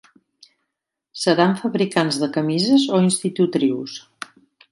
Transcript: Seran fabricants de camises o institutrius?